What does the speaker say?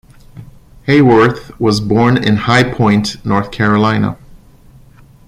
Hayworth was born in High Point, North Carolina.